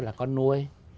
là con nuôi